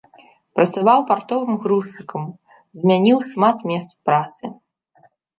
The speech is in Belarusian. Працаваў партовым грузчыкам, змяніў шмат месц працы.